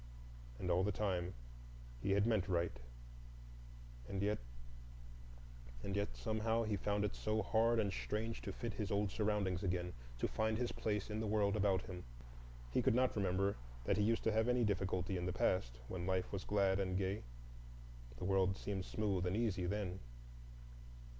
And all the time he had meant right,—and yet, and yet, somehow he found it so hard and strange to fit his old surroundings again, to find his place in the world about him. He could not remember that he used to have any difficulty in the past, when life was glad and gay. The world seemed smooth and easy then.